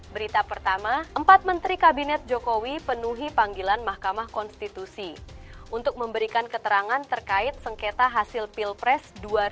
berita pertama empat menteri kabinet jokowi penuhi panggilan mahkamah konstitusi untuk memberikan keterangan terkait sengketa hasil pilpres dua ribu sembilan belas